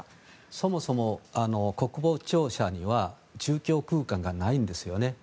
そもそも国防庁舎には住居空間がないんですよね。